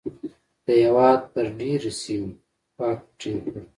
د هېواد پر ډېری سیمو واک ټینګ کړ.